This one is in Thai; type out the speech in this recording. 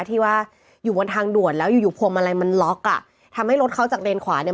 ที่ว่าอยู่บนทางด่วนแล้วอยู่อยู่พวงมาลัยมันล็อกอ่ะทำให้รถเขาจากเลนขวาเนี่ย